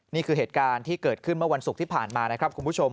นี่คือเหตุการณ์ที่เกิดขึ้นเมื่อวันศุกร์ที่ผ่านมานะครับคุณผู้ชม